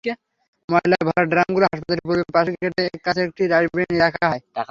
ময়লায় ভরা ড্রামগুলো হাসপাতালের পূর্ব পাশের গেটের কাছে একটি ডাস্টবিনে নিয়ে রাখা হয়।